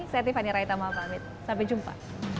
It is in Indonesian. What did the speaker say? saya tiffany raitama pamit sampai jumpa